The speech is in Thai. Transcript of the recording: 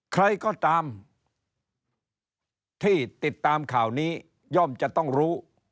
ใครก็ตามที่ติดตามข่าวนี้ย่อมจะต้องรู้